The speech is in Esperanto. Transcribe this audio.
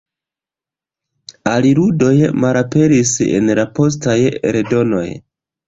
La aludoj malaperis en la postaj eldonoj.